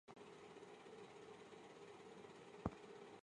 使幸存者之一的路霸发誓要帮公爵报仇。